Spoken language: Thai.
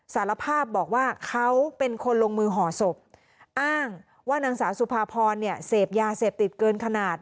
สารภาพบอกว่าเขาเป็นคนลงมือห่อศพอ้างว่านางสาวสุภาพรเนี่ยเสพยาเสพติดเกินขนาด